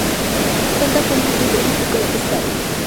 Cuenta con un frigorífico de pescado.